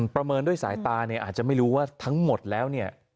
ประเมินด้วยสายตาเนี่ยอาจจะไม่รู้ว่าทั้งหมดแล้วเนี่ย